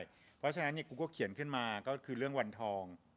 เพราะฉะนั้นกูก็เขียนขึ้นมาก็คือเรื่องวันทอง